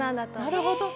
なるほど。